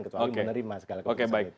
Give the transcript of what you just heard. kecuali menerima segala keputusan itu